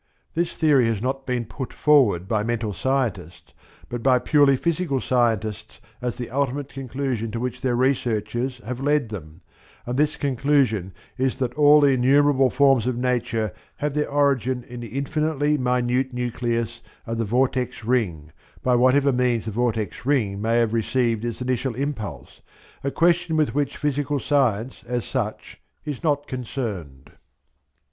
This theory has not been put forward by mental scientists but by purely physical scientists as the ultimate conclusion to which their researches have led them, and this conclusion is that all the innumerable forms of Nature have their origin in the infinitely minute nucleus of the vortex ring, by whatever means the vortex ring may have received its initial impulse, a question with which physical science, as such, is not concerned.